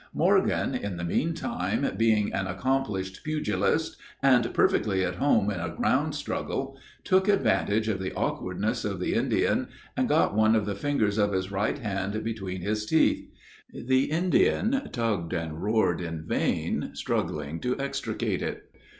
Morgan, in the meantime, being an accomplished pugilist, and perfectly at home in a ground struggle, took advantage of the awkwardness of the Indian, and got one of the fingers of his right hand between his teeth. The Indian tugged and roared in vain, struggling to extricate it.